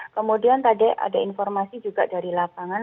kemudian tadi ada informasi juga dari lapangan